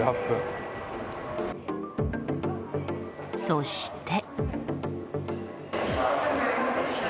そして。